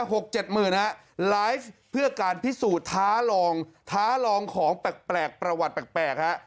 หกเจ็ดหมื่นฮะไลฟ์เพื่อการพิสูจน์ท้าลองท้าลองของแปลกแปลกประวัติแปลกแปลกฮะ